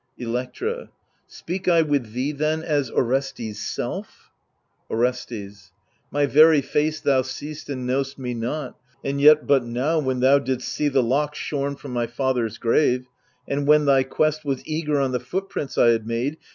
Electra Speak I with thee then as Orestes' self? Orestes My very face thou see'st and know'st me not, And yet but now, when thou didst see the lock Shorn for my father's grave, and when thy quest Was eager on the footprints I had made.